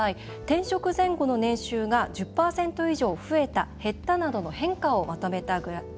転職前後の年収が１０％以上増えた、減ったなどの変化をまとめたグラフです。